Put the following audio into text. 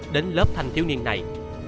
đến lớp thanh thiếu niên này